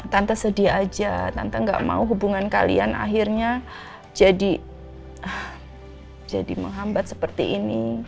tante sedih aja tante gak mau hubungan kalian akhirnya jadi menghambat seperti ini